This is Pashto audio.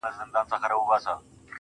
• زما کار نسته بُتکده کي؛ تر کعبې پوري.